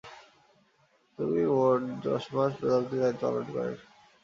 তিনি মোট দশমাস প্রধানমন্ত্রীর দায়িত্ব পালন করেন।